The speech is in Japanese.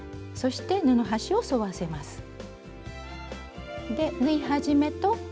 そして布端を沿わせます。